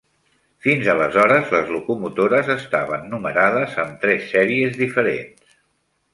Fins aleshores, les locomotores estaven numerades amb tres sèries diferents.